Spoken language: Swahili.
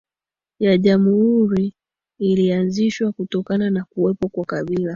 ya jamhuri ilianzishwa kutokana na kuwepo kwa kabila